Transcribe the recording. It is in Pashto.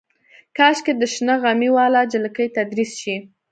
کاشکې د شنه غمي واله جلکۍ تدریس شي.